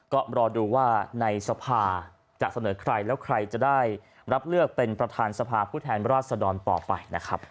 ก็รอดูว่าในสภาจะเสนอใครแล้วใครจะได้รับเลือกเป็นประธานสภาผู้แทนราชดรต่อไปนะครับ